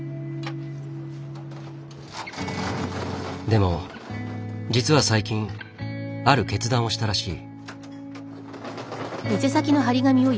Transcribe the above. でも実は最近ある決断をしたらしい。